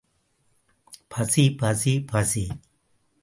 பசி… பசி… பசி.